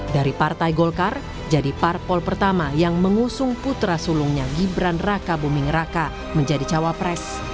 dari partai golkar jadi parpol pertama yang mengusung putra sulungnya gibran raka buming raka menjadi cawapres